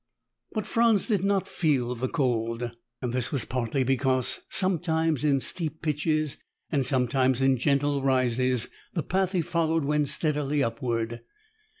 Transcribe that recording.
But Franz did not feel the cold. This was partly because, sometimes in steep pitches and sometimes in gentle rises, the path he followed went steadily upward.